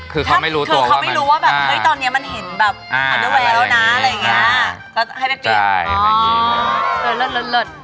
คือเขาไม่รู้ตัวว่ามันเห็นอันด้วยแล้วนะอะไรอย่างงี้จะให้เปลี่ยนอ๋อเสร็จ